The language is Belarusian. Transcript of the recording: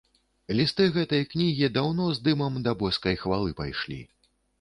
Лісты гэтай кнігі даўно з дымам да боскай хвалы пайшлі.